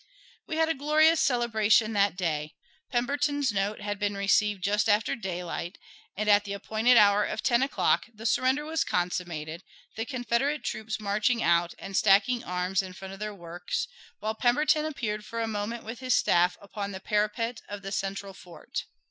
We had a glorious celebration that day. Pemberton's note had been received just after daylight, and at the appointed hour of ten o'clock the surrender was consummated, the Confederate troops marching out and stacking arms in front of their works, while Pemberton appeared for a moment with his staff upon the parapet of the central fort.